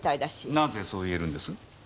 なぜそう言えるんです？